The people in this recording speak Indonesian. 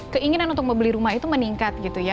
keinginan untuk membeli rumah itu meningkat gitu ya